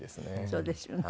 そうですよね。